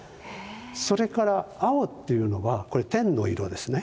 それから青っていうのはこれ天の色ですね。